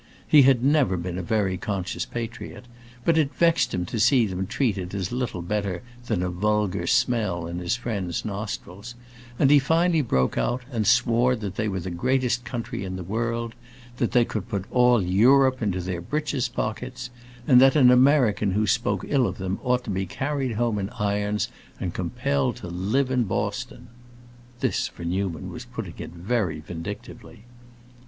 He had never been a very conscious patriot, but it vexed him to see them treated as little better than a vulgar smell in his friend's nostrils, and he finally broke out and swore that they were the greatest country in the world, that they could put all Europe into their breeches' pockets, and that an American who spoke ill of them ought to be carried home in irons and compelled to live in Boston. (This, for Newman was putting it very vindictively.)